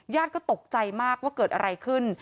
ก็ตกใจมากว่าเกิดอะไรขึ้น